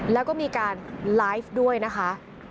แล้วก็มีการไลฟ์ด้วยนะคะ